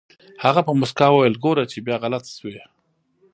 هغه په موسکا وويل ګوره چې بيا غلط شوې.